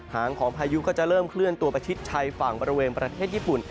หางของพายุก็จะเริ่มเคลื่อนตัวประชิดชายฝั่งบริเวณประเทศญี่ปุ่น